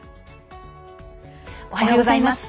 おはようございます。